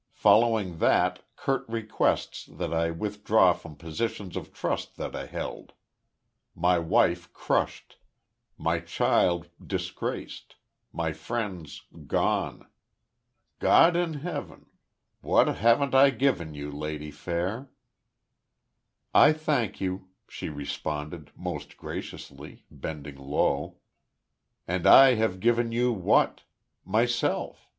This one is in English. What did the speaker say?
Following that, curt requests that I withdraw from positions of trust that I held. My wife crushed my child disgraced my friends gone ! God in heaven! What haven't I given you, Lady Fair!" "I thank you," she responded, most graciously, bending low, "And I have given you what? Myself.